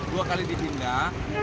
dua kali dipindah